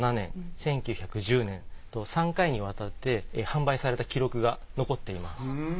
１９１０年３回にわたって販売された記録が残っています。